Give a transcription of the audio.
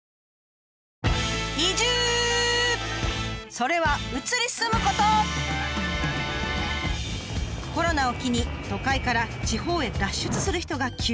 それはコロナを機に都会から地方へ脱出する人が急増中！